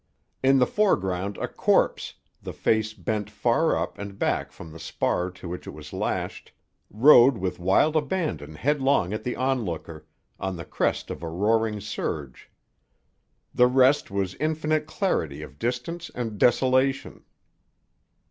In the foreground a corpse, the face bent far up and back from the spar to which it was lashed, rode with wild abandon headlong at the onlooker, on the crest of a roaring surge. The rest was infinite clarity of distance and desolation.